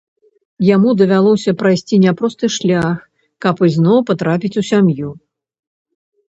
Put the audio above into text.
Яму давялося прайсці няпросты шлях каб ізноў патрапіць у сям'ю.